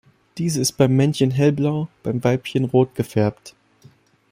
Diese ist beim Männchen hellblau, beim Weibchen rot gefärbt.